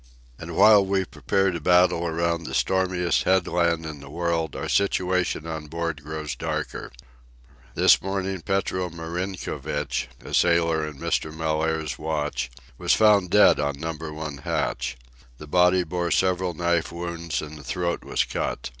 And while we prepare to battle around the stormiest headland in the world our situation on board grows darker. This morning Petro Marinkovich, a sailor in Mr. Mellaire's watch, was found dead on Number One hatch. The body bore several knife wounds and the throat was cut.